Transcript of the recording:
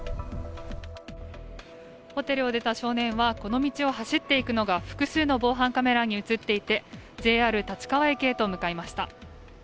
ホテルを出た少年は、この道を走っていくのが、複数の防犯カメラに写っていて、ＪＲ立川駅へと向かいました。